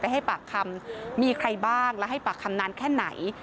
ให้ปากคำมีใครบ้างและให้ปากคำนานแค่ไหน